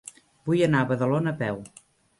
Vull anar a Badalona a peu.